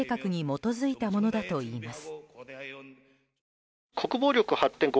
国防力発展５カ年計画に基づいたものだといいます。